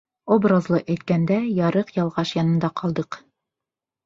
Образлы әйткәндә, ярыҡ ялғаш янында ҡалдыҡ.